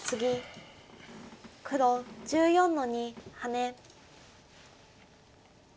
黒１４の二ハネ。